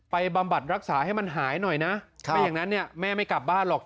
บำบัดรักษาให้มันหายหน่อยนะไม่อย่างนั้นเนี่ยแม่ไม่กลับบ้านหรอก